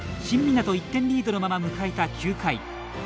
新湊、１点リードのまま迎えた、９回。